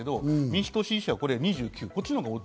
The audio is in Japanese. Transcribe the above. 民主党支持者だと２７。